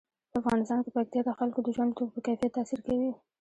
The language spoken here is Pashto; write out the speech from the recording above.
په افغانستان کې پکتیا د خلکو د ژوند په کیفیت تاثیر کوي.